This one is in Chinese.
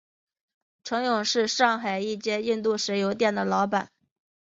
程勇是上海一间印度神油店的老板。